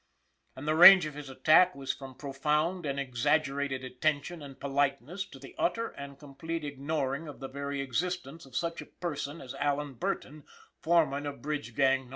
And the range of his attack was from profound and exaggerated attention and politeness to the utter and complete ignoring of the very existence of such a person as Alan Burton, foreman of Bridge Gang No.